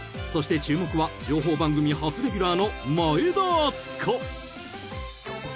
［そして注目は情報番組初レギュラーの前田敦子］